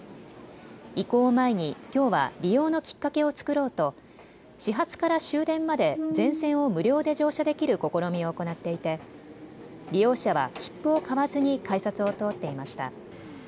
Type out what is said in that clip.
移行を前にきょうは利用のきっかけを作ろうと始発から終電まで全線を無料で乗車できる試みを行っていて利用者は切符を買わずに改札を通っていました。